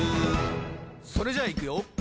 それじゃいくよ